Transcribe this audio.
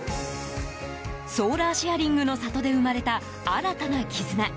ソーラーシェアリングの里で生まれた新たな絆。